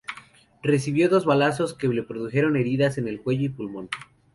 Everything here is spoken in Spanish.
Recibió dos balazos que le produjeron heridas en el cuello y el pulmón.